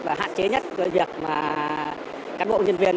và hạn chế nhất cho việc các bộ nhân viên